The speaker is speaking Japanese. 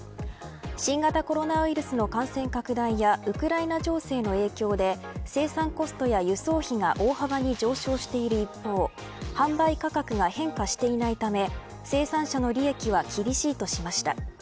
新型コロナウイルス拡大やウクライナ情勢の影響で生産コストや輸送費が大幅に上昇している一方販売価格が変化していないため生産者の利益は厳しいとしました。